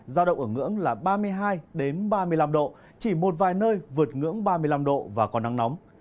giao động ở ngưỡng là ba mươi hai ba mươi năm độ chỉ một vài nơi vượt ngưỡng ba mươi năm độ và có nắng nóng